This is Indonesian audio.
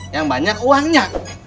yang banyak uangnya